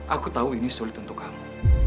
aku tahu ini sulit untuk kamu